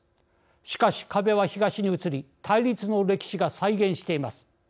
しかし壁は東に移り対立の歴史が再現しています。